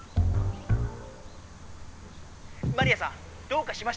マリアさんどうかしましたか？